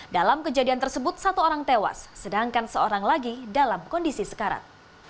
dalam kejadian tersebut satu orang tewas sedangkan seorang lagi dalam kondisi sekarat